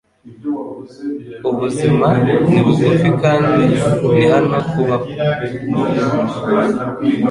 Ubuzima ni bugufi, kandi ni hano kubaho.”